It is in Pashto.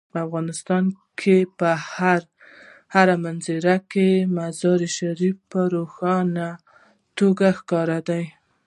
د افغانستان په هره منظره کې مزارشریف په روښانه توګه ښکاري.